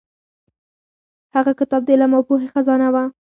هغه کتاب د علم او پوهې خزانه وه.